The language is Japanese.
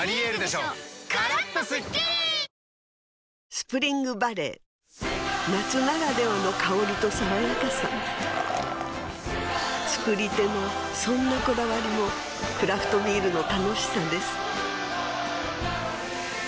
スプリングバレー夏ならではの香りと爽やかさ造り手のそんなこだわりもクラフトビールの楽しさです